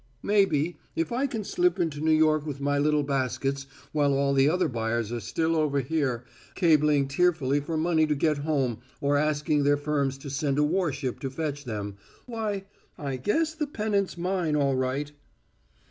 "Maybe. If I can slip into New York with my little baskets while all the other buyers are still over here, cabling tearfully for money to get home or asking their firms to send a warship to fetch them why, I guess the pennant's mine all right."